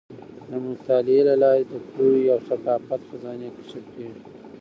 د مطالعې له لارې د پوهې او ثقافت خزانې کشف کیږي.